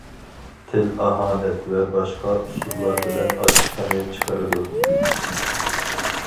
تىل-ئاھانەت ۋە باشقا ئۇسۇللار بىلەن ئاچچىقىنى چىقىرىدۇ.